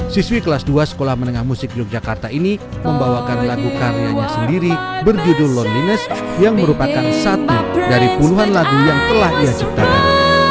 siswi kelas dua sekolah menengah musik yogyakarta ini membawakan lagu karyanya sendiri berjudul loneliness yang merupakan satu dari puluhan lagu yang telah ia ciptakan